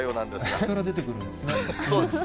そこから出てくるんですね。